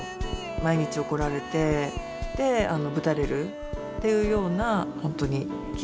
毎日怒られてでぶたれるっていうような本当に厳しい部活。